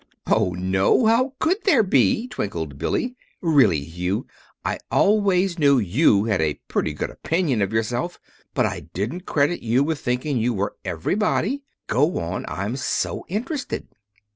"Oh, no, how could there be?" twinkled Billy. "Really, Hugh, I always knew you had a pretty good opinion of yourself, but I didn't credit you with thinking you were everybody. Go on. I'm so interested!"